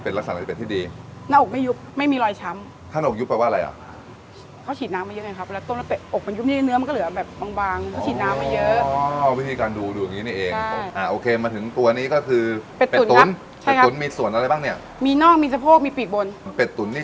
เป็นแล้วอะไรอีกครับที่เป็นรักษรายเป็นที่ดี